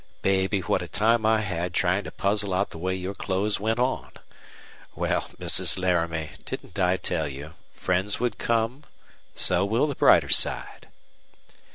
Baby, what a time I had trying to puzzle out the way your clothes went on! Well, Mrs. Laramie, didn't I tell you friends would come? So will the brighter side."